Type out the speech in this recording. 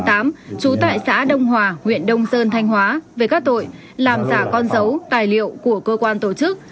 trú tại xã đông hòa huyện đông sơn thanh hóa về các tội làm giả con dấu tài liệu của cơ quan tổ chức